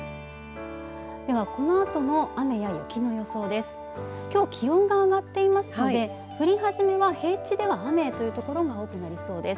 ではこのあとの雨や雪の予想です。